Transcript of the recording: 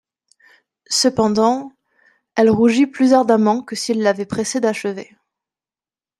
Cependant …» Elle rougit plus ardemment que s'il l'avait pressée d'achever.